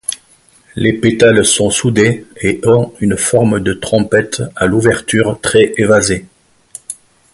Les pétales sont soudés et ont une forme de trompette à l'ouverture très évasée.